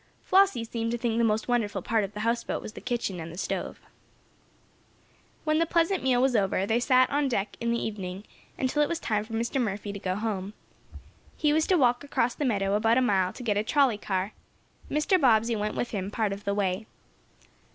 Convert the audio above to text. Flossie seemed to think the most wonderful part of the houseboat was the kitchen and the stove. When the pleasant meal was over, they sat on deck in the evening, until it was time for Mr. Murphy to go home. He was to walk across the meadow, about a mile, to get a trolley car. Mr. Bobbsey went with him, part of the way.